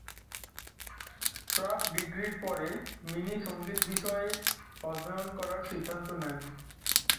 প্রাক ডিগ্রির পরে, মিনি সংগীত বিষয়ে অধ্যয়ন করার সিদ্ধান্ত নেন।